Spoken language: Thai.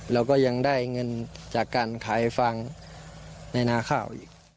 เราก็ยังได้เงินจากการขายฟางในนาข้าวอีก